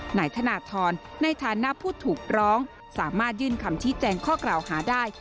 นายธนทรในฐานะผู้ถูกร้องสามารถยื่นคำชี้แจงข้อกล่าวหาได้